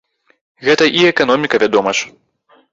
Гэта і эканоміка, вядома ж!